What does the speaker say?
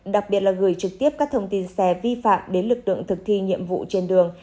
đặc biệt là gửi trực tiếp các thông tin xe vi phạm đến lực lượng thực thi nhiệm vụ trên đường